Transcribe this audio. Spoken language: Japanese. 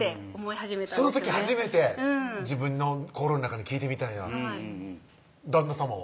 なってその時初めて自分の心の中に聞いてみたんや旦那さまは？